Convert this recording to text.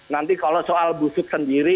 nanti kalau soal busuk sendiri